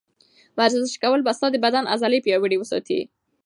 ورزش کول به ستا د بدن عضلې پیاوړې وساتي.